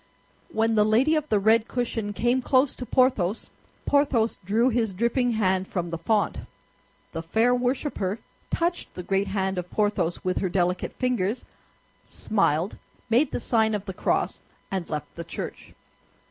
When the lady of the red cushion came close to Porthos, Porthos drew his dripping hand from the font. The fair worshipper touched the great hand of Porthos with her delicate fingers, smiled, made the sign of the cross, and left the church.